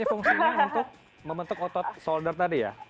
ini fungsinya untuk membentuk otot soulder tadi ya